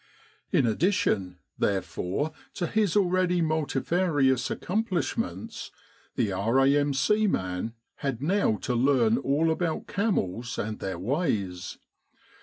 In addition, therefore, to his already multifarious accomplishments, the R.A.M.C. man had now to learn all about camels and their ways.